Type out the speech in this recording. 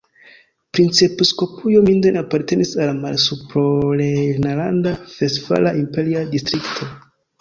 Princepiskopujo Minden apartenis al la Malsuprorejnlanda-Vestfala Imperia Distrikto.